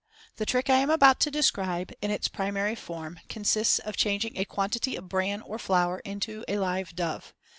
—The trick I am about to describe, in its primary form, consists of changing a quantity of bran or flour into a live dove.